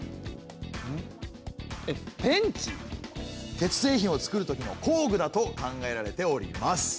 鉄製品を作るときの工具だと考えられております。